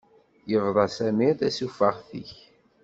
Yebḍa Samir tasufeɣt-ik.